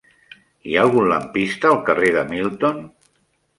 Hi ha algun lampista al carrer de Milton?